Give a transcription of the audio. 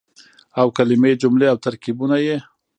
او کلمې ،جملې او ترکيبونه يې